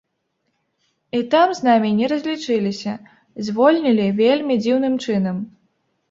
І там з намі не разлічыліся, звольнілі вельмі дзіўным чынам.